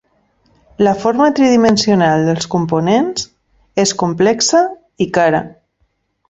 La forma tridimensional dels components és complexa i cara.